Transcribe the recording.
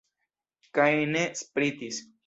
Kaj ne spritis.